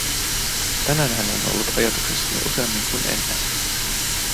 Tänään hän on ollut ajatuksissani useammin kuin ennen.